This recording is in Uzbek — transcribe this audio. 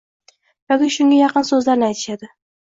yoki shunga yaqin so‘zlarni aytishadi.